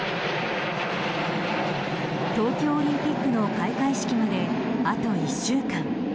東京オリンピックの開会式まであと１週間。